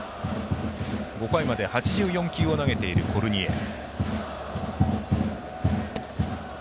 ５回まで８４球を投げているコルニエル。